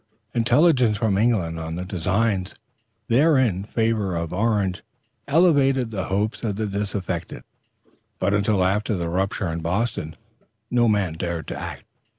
Intelligence from England of the designs there in favor of Orange elevated the hopes of the disaffected; but until after the rupture in Boston, no man dared to act.